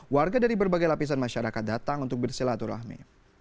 warga dari berbagai lapisan masyarakat datang untuk bersilaturahmi